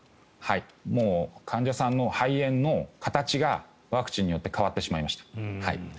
もう患者さんの肺炎の形がワクチンによって変わってしまいました。